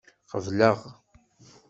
Qebleɣ.